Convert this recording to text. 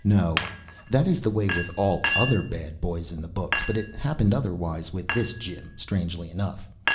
No; that is the way with all other bad boys in the books; but it happened otherwise with this Jim, strangely enough.